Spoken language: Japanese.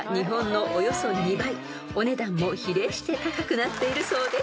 ［お値段も比例して高くなっているそうです］